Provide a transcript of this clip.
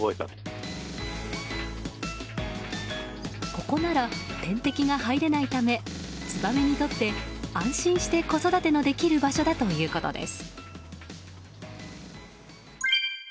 ここなら天敵が入れないためツバメにとって安心して子育てのできる場所だということです。